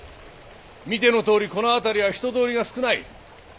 見てのとおりこの辺りは人通りが少ない。